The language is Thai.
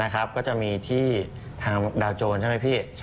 ก็จะมีที่ทางดาวโจรใช่ไหมพี่